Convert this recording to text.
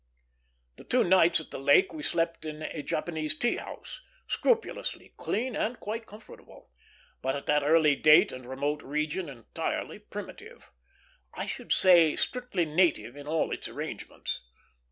The two nights at the lake we slept in a Japanese tea house, scrupulously clean and quite comfortable, but at that early date and remote region entirety primitive; I should rather say strictly native in all its arrangements.